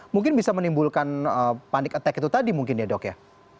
mungkin bisa menimbulkan panic attack itu tadi mungkin ya dok ya